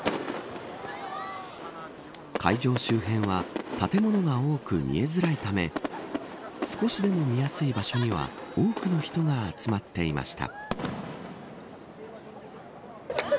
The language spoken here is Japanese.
会場周辺は建物が多く見えづらいため少しでも見やすい場所には多くの人が集まっていました。